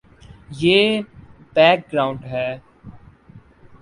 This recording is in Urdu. یہ بیک گراؤنڈ ہے۔